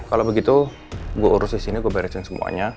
kalau begitu gue urus di sini gue beresin semuanya